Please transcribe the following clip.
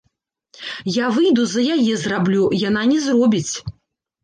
Я выйду за яе зраблю, яна не зробіць.